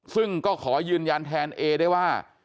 ซึ่งก็ขอยืนยันแทนเอได้ว่า